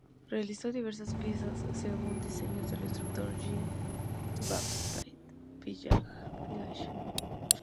Realizó diversas piezas según diseños del escultor Jean-Baptiste Pigalle.